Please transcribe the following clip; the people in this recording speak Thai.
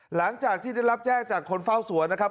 หลังจากที่ได้รับแจ้งจากคนเฝ้าสวนนะครับ